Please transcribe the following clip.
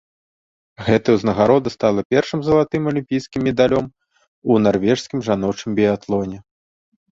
Гэтая ўзнагарода стала першым залатым алімпійскім медалём у нарвежскім жаночым біятлоне.